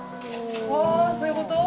あそういうこと？